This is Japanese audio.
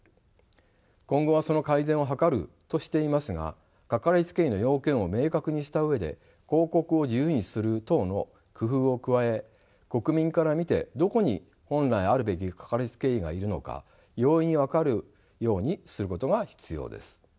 今後はその改善を図るとしていますがかかりつけ医の要件を明確にした上で広告を自由にする等の工夫を加え国民から見てどこに本来あるべきかかりつけ医がいるのか容易に分かるようにすることが必要です。